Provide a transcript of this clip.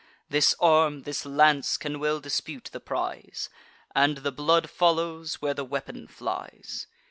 This arm, this lance, can well dispute the prize; And the blood follows, where the weapon flies.